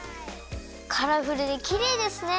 カラフルできれいですね。